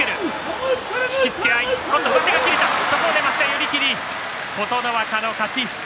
寄り切り、琴ノ若の勝ち。